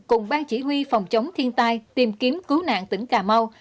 cùng ban chỉ huy phòng chống thiên tai tìm kiếm cứu nạn tỉnh cà mau